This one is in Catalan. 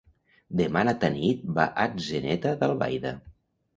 Demà na Tanit va a Atzeneta d'Albaida.